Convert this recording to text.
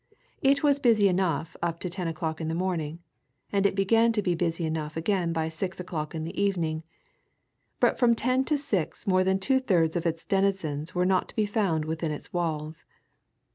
It was busy enough up to ten o'clock in the morning, and it began to be busy enough again by six o'clock in the evening, but from ten to six more than two thirds of its denizens were not to be found within its walls.